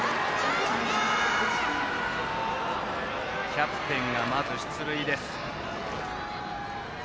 キャプテンがまず出塁です。